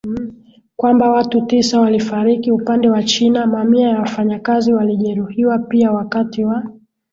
kwamba watu tisa walifariki upande wa China Mamia ya wafanyakazi walijeruhiwa pia wakati wa